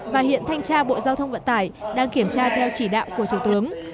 và hiện thanh tra bộ giao thông vận tải đang kiểm tra theo chỉ đạo của thủ tướng